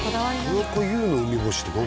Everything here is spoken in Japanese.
「田中悠の梅干し」って何？